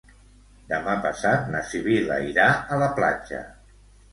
Demà passat na Sibil·la irà a la platja.